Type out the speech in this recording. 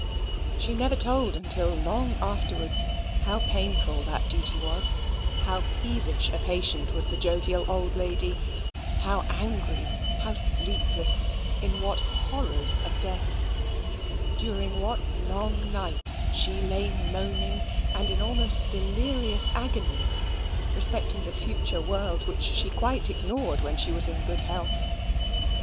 She never told until long afterwards how painful that duty was; how peevish a patient was the jovial old lady; how angry; how sleepless; in what horrors of death; during what long nights she lay moaning, and in almost delirious agonies respecting that future world which she quite ignored when she was in good health.